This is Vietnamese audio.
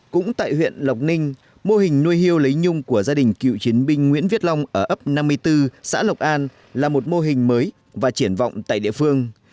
cũng tại huyện lộc ninh mô hình nuôi hâu lấy nhung của gia đình cựu chiến binh nguyễn viết long ở ấp năm mươi bốn xã lộc an là một mô hình mới và triển vọng tại địa phương